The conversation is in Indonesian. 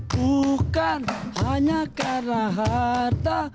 bukan hanya karena harta